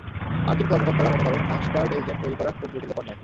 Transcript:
মার্কিন কর্মকর্তারা মনে করেন, মাস্টার্ড এজেন্ট তৈরি করা খুব জটিল ব্যাপার নয়।